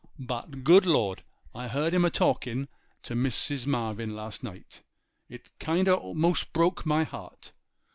But, good Lord! I heard him a talkin' to Mrs. Marvyn last night; it kinder most broke my heart.